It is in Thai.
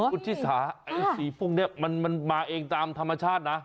คุณชิสาไอ้สีพวกนี้มันมาเองตามธรรมชาตินะ